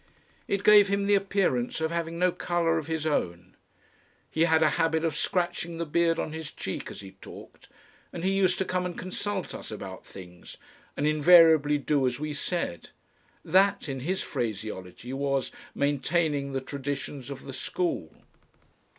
It gave him the appearance of having no colour of his own. He had a habit of scratching the beard on his cheek as he talked, and he used to come and consult us about things and invariably do as we said. That, in his phraseology, was "maintaining the traditions of the school."